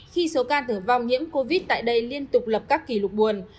khi số ca tử vong nhiễm covid tại đây liên tục lập các kỷ lục buồn